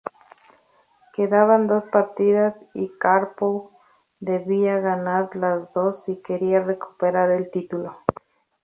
Quedaban dos partidas y Kárpov debía ganar las dos si quería recuperar el título.